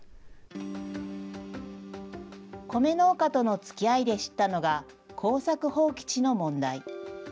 米農家とのつきあいで知ったのが、耕作放棄地の問題。